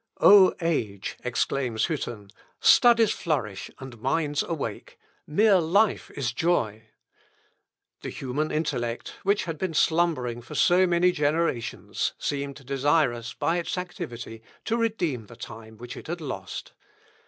"O age!" exclaims Hütten, "studies flourish, and minds awake: Mere life is joy!"... The human intellect, which had been slumbering for so many generations, seemed desirous, by its activity, to redeem the time which it had lost.